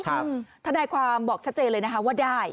ตัดให้ความบอกชัดเจนเลยว่าได้